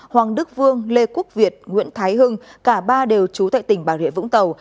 hoàng đức vương lê quốc việt nguyễn thái hưng cả ba đều trú tại tỉnh bà rịa vũng tàu